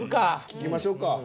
聞きましょうか。